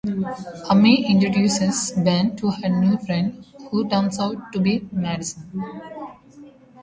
Amy introduces Ben to her new friend, who turns out to be Madison.